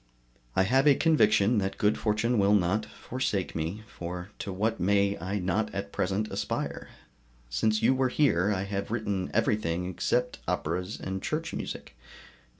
I have a conviction that good fortune will not forsake me, for to what may I not at present aspire? Since you were here I have written everything except operas and church music.